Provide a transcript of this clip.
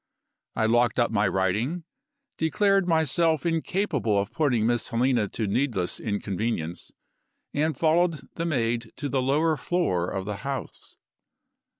I locked up my writing declared myself incapable of putting Miss Helena to needless inconvenience and followed the maid to the lower floor of the house.